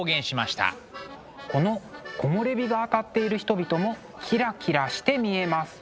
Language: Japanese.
この木漏れ日が当たっている人々もキラキラして見えます。